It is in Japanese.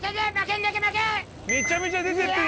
めちゃめちゃ出てってる。